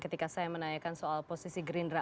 ketika saya menanyakan soal posisi gerindra